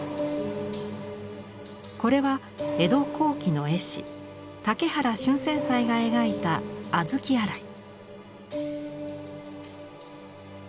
これは江戸後期の絵師竹原春泉斎が描いた「小豆あらい」。